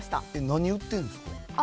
何売ってるんですか。